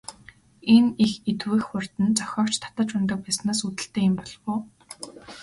Энэ их идэвх хурд нь зохиогч татаж унадаг байснаас үүдэлтэй юм болов уу?